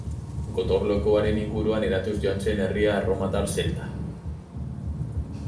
Gotorlekuaren inguruan eratuz joan zen herria erromatar-zelta.